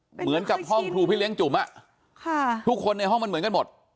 เหมือนกับห้องครูพี่เลี้ยงจุ๋มทุกคนในห้องมันเหมือนกันหมด